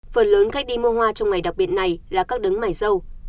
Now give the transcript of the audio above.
phần lớn khách đi mua hoa trong ngày đặc biệt này là các đứng mải dâu